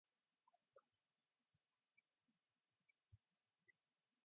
A stone floor in the boundary was used to spread grains.